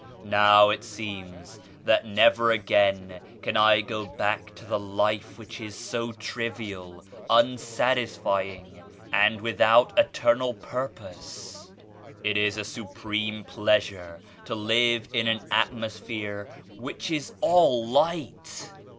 Now it seems that never again can I go back to the life which is so trivial, unsatisfying and without eternal purpose. It is a supreme pleasure to live in an atmos phere which is all Light.